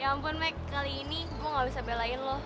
ya ampun make kali ini gue gak bisa belain lo